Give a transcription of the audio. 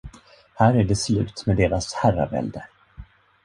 Här är det slut med deras herravälde.